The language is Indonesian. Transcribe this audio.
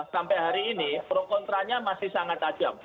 sampai hari ini pro kontranya masih sangat tajam